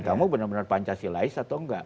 kamu benar benar pancasilais atau enggak